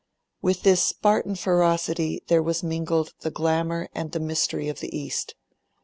With this Spartan ferocity there was mingled the glamour and the mystery of the East.